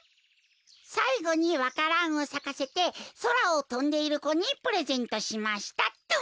「さいごにわからんをさかせてそらをとんでいる子にプレゼントしました」っと。